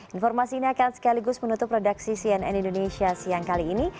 informasi ini akan sekaligus menutup redaksi cnn indonesia siang kali ini